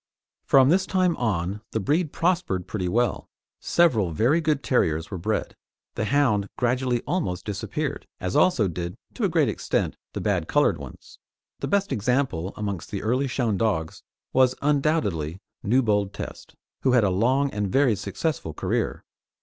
From this time on the breed prospered pretty well; several very good terriers were bred, the hound gradually almost disappeared, as also did to a great extent the bad coloured ones. The best example amongst the early shown dogs was undoubtedly Newbold Test, who had a long and very successful career.